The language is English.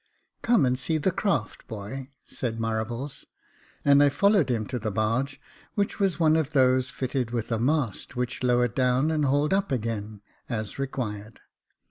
" Come and see the craft, boy," said Marables ; and I followed him to the barge, which was one of those fitted with a mast which lowered down and hauled up again, as required.